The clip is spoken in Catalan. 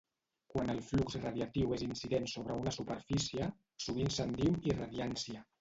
Quan el flux radiatiu és incident sobre una superfície, sovint se'n diu irradiància.